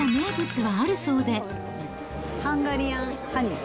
ハンガリアンハニー。